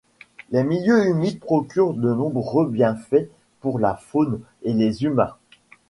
Les milieux humides procurent de nombreux bienfaits pour la faune et les humains.